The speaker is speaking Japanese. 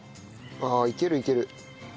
ああいけるいける。